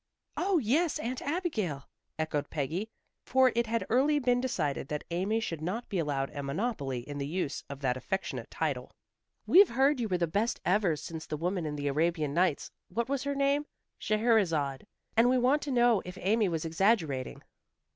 "Oh, yes, Aunt Abigail," echoed Peggy, for it had early been decided that Amy should not be allowed a monopoly in the use of that affectionate title. "We've heard you were the best ever, since the woman in the Arabian Nights what was her name Scheherezade, and we want to know if Amy was exaggerating."